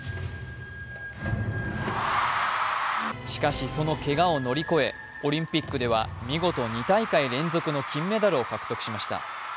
しかし、そのけがを乗り越えオリンピックでは見事、２大会連続の金メダルを獲得しました。